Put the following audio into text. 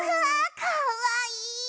かわいい。